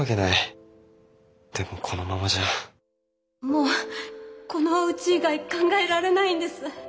もうこのうち以外考えられないんです。